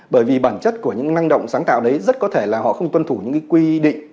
bởi vì bản chất của những năng động sáng tạo đấy rất có thể là họ không tuân thủ những quy định